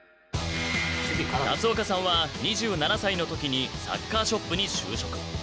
龍岡さんは２７歳の時にサッカーショップに就職。